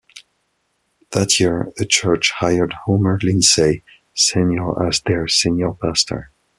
That year, the church hired Homer Lindsay, Senior as their senior pastor.